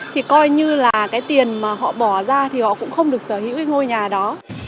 thì coi như là cái tiền mà họ bỏ ra thì họ cũng không được sở hữu cái ngôi nhà đó